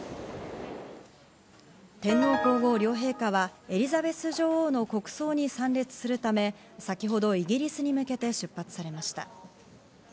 天皇皇后両陛下はエリザベス女王の国葬に参列するため、先ほどイギリスに向けて出発されました。